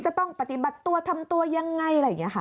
จะต้องปฏิบัติตัวทำตัวยังไงอะไรอย่างนี้ค่ะ